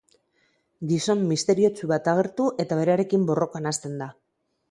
Gizon misteriotsu bat agertu eta berarekin borrokan hasten da.